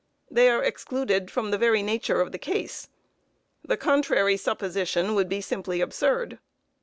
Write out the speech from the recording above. They are excluded from the very nature of the case. The contrary supposition would be simply absurd.